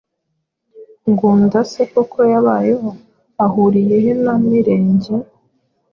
Ngunda se koko yabayeho? Ahuriye he na Mirenge?